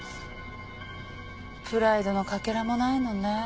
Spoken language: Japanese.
プライドのかけらもないのね。